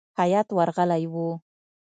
هیات ورغلی وو.